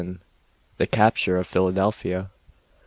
THE CAPTURE OF PHILADELPHIA.